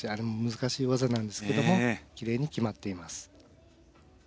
難しい技なんですがきれいに決まっています。